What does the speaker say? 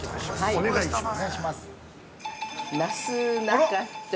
お願いします。